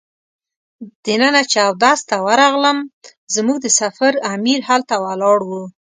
دننه چې اودس ته ورغلم زموږ د سفر امیر هلته ولاړ و.